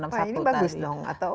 wah ini bagus dong atau